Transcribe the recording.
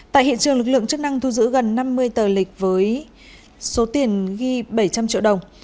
tại hiện trường lực lượng chức năng thu giữ gần năm mươi tờ lịch với số tiền ghi bảy trăm linh triệu đồng